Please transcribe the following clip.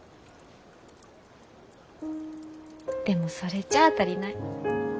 でもそれじゃあ足りない。